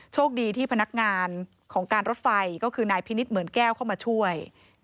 โชคดีที่พนักงานของการรถไฟก็คือนายพินิษฐ์เหมือนแก้วเข้ามาช่วย